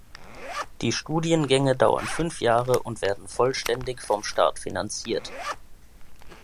Die Studiengänge dauern fünf Jahre und werden vollständig vom Staat finanziert.